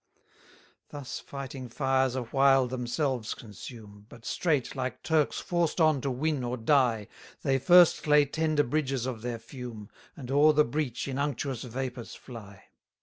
246 Thus fighting fires a while themselves consume, But straight, like Turks forced on to win or die, They first lay tender bridges of their fume, And o'er the breach in unctuous vapours fly.